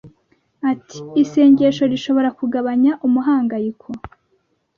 Ati “ Isengesho rishobora kugabanya umuhangayiko